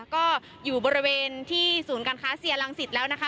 ก็อยู่บริเวณที่ศูนย์การค้าเซียรังสิตแล้วนะคะ